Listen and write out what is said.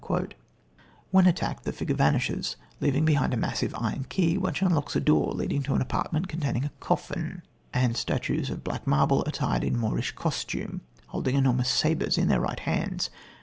When attacked, the figure vanishes, leaving behind a massive, iron key which unlocks a door leading to an apartment containing a coffin, and statues of black marble, attired in Moorish costume, holding enormous sabres in their right hands.